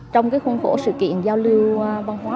trong khung khổ sự kiện giao lưu văn hóa